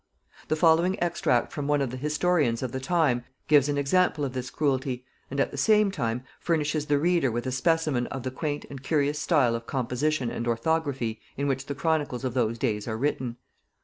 The following extract from one of the historians of the time gives an example of this cruelty, and, at the same time, furnishes the reader with a specimen of the quaint and curious style of composition and orthography in which the chronicles of those days are written.